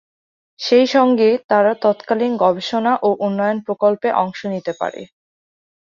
সেই সঙ্গে তারা তৎকালীন গবেষণা ও উন্নয়ন প্রকল্পে অংশ নিতে পারে।